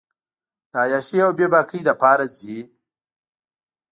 د عیاشۍ اوبېباکۍ لپاره ځي.